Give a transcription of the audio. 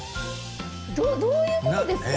⁉どどういうことですか？